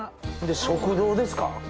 食堂ですか？